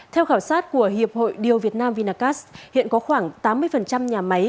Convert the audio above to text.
theo khảo sát của hiệp hội điều việt nam vinacast hiện có khoảng tám mươi nhà máy